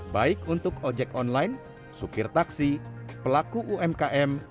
baik untuk ojek online supir taksi pelaku umkm